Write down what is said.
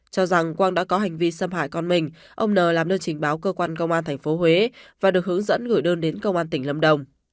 cho rằng quang đã có hành vi xâm hại con mình ông n làm đơn trình báo cơ quan công an tp huế và được hướng dẫn gửi đơn đến công an tỉnh lâm đồng